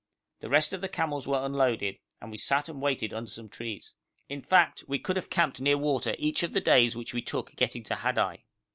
The rest of the camels were unloaded, and we sat and waited under some trees. In fact, we could have camped near water each of the days which we took getting to Hadai.